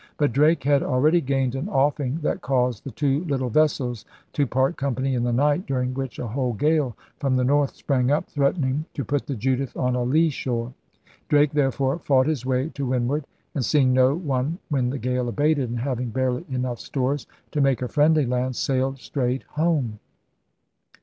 But Drake had already gained an ofiing that caused the two little vessels to part company in the night, during which a whole gale from the north sprang up, threatening HAWKINS AND THE FIGHTING TRADERS 93 to put the Judith on a lee shore. Drake there fore fought his way to windward; and, seeing no one when the gale abated, and having barely enough stores to make a friendly land, sailed straight home.